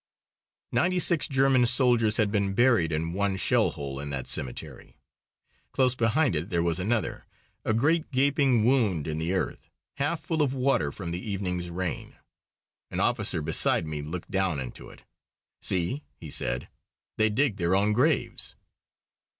Ninety six German soldiers had been buried in one shell hole in that cemetery. Close beside it there was another, a great gaping wound in the earth, half full of water from the evening's rain. An officer beside me looked down into it. "See," he said, "they dig their own graves!"